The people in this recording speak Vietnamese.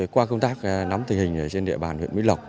qua công tác nắm tình hình ở trên địa bàn huyện mỹ lộc